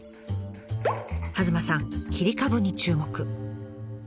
弭間さん切り株に注目。